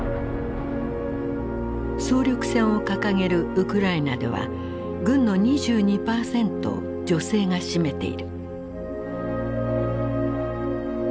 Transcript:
総力戦を掲げるウクライナでは軍の２２％を女性が占めている。